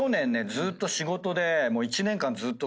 ずーっと仕事で。